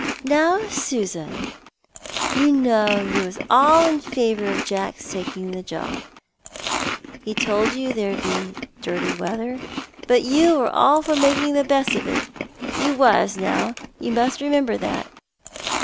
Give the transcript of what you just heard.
"Now, Susan, you know you was all in favour of Jack's taking the job. He told you there'd be dirty weather, but you were all for making the best of it. You was, now; you must remember that."